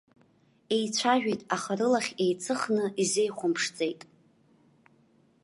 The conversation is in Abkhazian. Еицәажәеит, аха рылахь еиҵыхны изеихәамԥшӡеит.